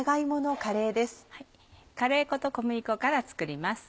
カレー粉と小麦粉から作ります。